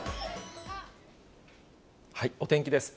お天気です。